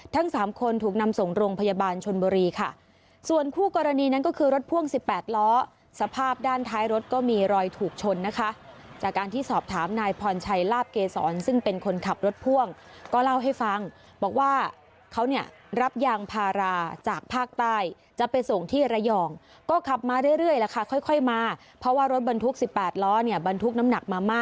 สามคนถูกนำส่งโรงพยาบาลชนบุรีค่ะส่วนคู่กรณีนั้นก็คือรถพ่วง๑๘ล้อสภาพด้านท้ายรถก็มีรอยถูกชนนะคะจากการที่สอบถามนายพรชัยลาบเกษรซึ่งเป็นคนขับรถพ่วงก็เล่าให้ฟังบอกว่าเขาเนี่ยรับยางพาราจากภาคใต้จะไปส่งที่ระยองก็ขับมาเรื่อยแล้วค่ะค่อยมาเพราะว่ารถบรรทุก๑๘ล้อเนี่ยบรรทุกน้ำหนักมาม